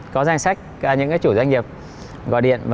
có danh sách những chủ doanh nghiệp gọi điện